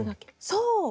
そう！